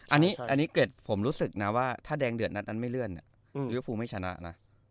อันนี้เกร็ดผมรู้สึกนะว่าถ้าแดงเดือดนัดนั้นไม่เลื่อนลิเวฟูไม่ชนะนะ